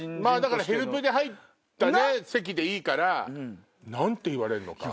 ヘルプで入った席でいいから何て言われんのか。